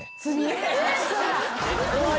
終わり？